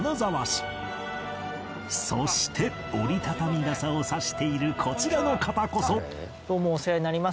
そして折り畳み傘を差しているこちらの方こそ